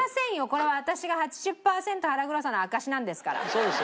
これは私が８０パーセント腹黒さの証しなんですから。